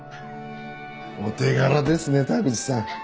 お手柄ですね田口さん。